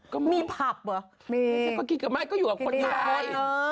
ก็กลิ่นกับม่ายก็อยู่กับคนไทย